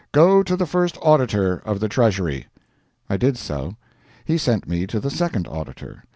Go to the First Auditor of the Treasury." I did so. He sent me to the Second Auditor.